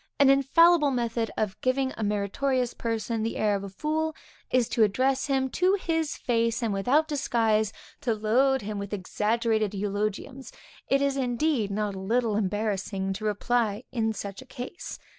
An infallible method of giving a meritorious person the air of a fool, is to address him to his face and without disguise, to load him with exaggerated eulogiums; it is indeed not a little embarrassing to reply in such a case.